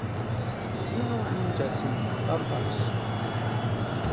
Ji no anhinchasïnka papasï.